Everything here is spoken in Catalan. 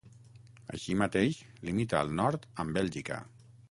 Així mateix, limita al nord amb Bèlgica.